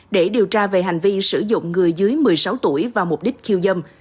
để điều tra về hành vi sử dụng người dưới một mươi sáu tuổi vào mục đích khiêu dâm